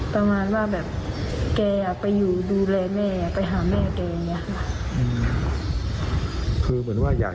ประมาณว่าแบบ